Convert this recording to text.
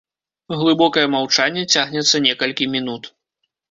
Глыбокае маўчанне цягнецца некалькі мінут.